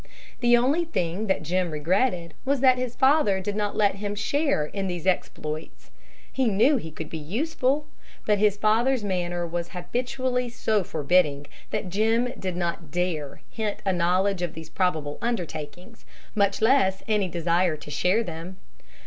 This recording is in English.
The only thing that Jim regretted was that his father did not let him share in these exploits. He knew he could be useful! But his father's manner was habitually so forbidding that Jim did not dare hint a knowledge of these probable undertakings, much less any desire to share them.